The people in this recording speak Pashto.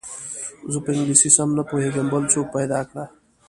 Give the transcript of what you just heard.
زه په انګلیسي سم نه پوهېږم بل څوک پیدا کړه.